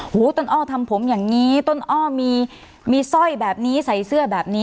ต้นอ้อทำผมอย่างนี้ต้นอ้อมีสร้อยแบบนี้ใส่เสื้อแบบนี้